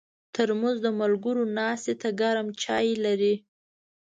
ترموز د ملګرو ناستې ته ګرم چای لري.